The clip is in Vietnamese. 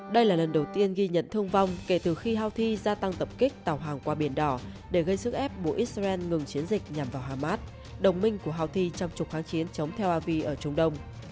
đây là lần đầu tiên ghi nhận thương vong kể từ khi houthi gia tăng tập kích tàu hàng qua biển đỏ để gây sức ép buộc israel ngừng chiến dịch nhằm vào hamas đồng minh của houthi trong trục kháng chiến chống theo avi ở trung đông